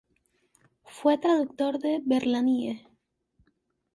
Fue traductor de Verlaine.